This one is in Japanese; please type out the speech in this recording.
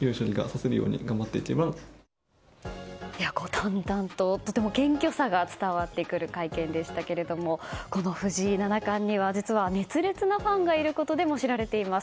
淡々と謙虚さが伝わってくる会見でしたがこの藤井七冠には、実は熱烈なファンがいることでも知られています。